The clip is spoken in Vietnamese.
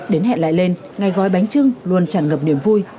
đến hẹn lại lên ngày gói bánh trưng luôn tràn ngập niềm vui